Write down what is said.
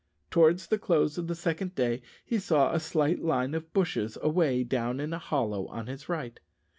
Towards the close of the second day he saw a slight line of bushes away down in a hollow on his right.